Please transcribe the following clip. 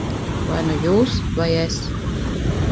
Vai nu jūs, vai es.